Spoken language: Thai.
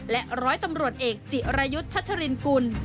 และร้อยตำรวจเอกจิรายุทธ์ชัชรินกุล